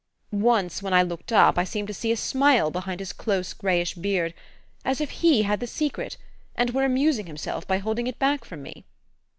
"Once, when I looked up, I seemed to see a smile behind his close grayish beard as if he had the secret, and were amusing himself by holding it back from me.